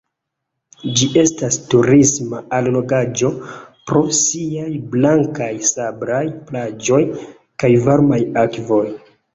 Ĝi estas turisma allogaĵo pro siaj blankaj sablaj plaĝoj kaj varmaj akvoj.